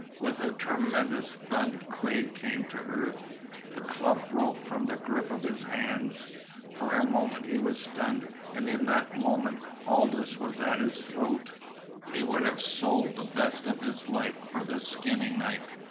With a tremendous thud Quade came to earth. The club broke from the grip of his hands. For a moment he was stunned, and in that moment Aldous was at his throat. He would have sold the best of his life for the skinning knife.